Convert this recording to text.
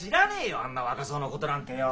あんな若造のことなんてよ！